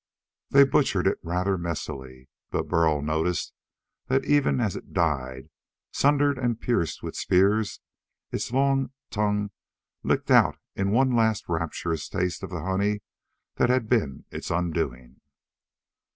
They butchered it rather messily, but Burl noticed that even as it died, sundered and pierced with spears, its long tongue licked out in one last rapturous taste of the honey that had been its undoing.